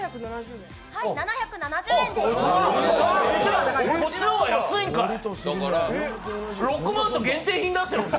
７７０円です。